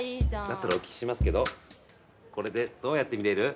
だったらお聞きしますけどこれでどうやって見れる？